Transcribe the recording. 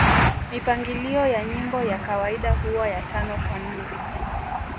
Mipangilio ya nyimbo ya kawaida huwa ya Tano kwa nne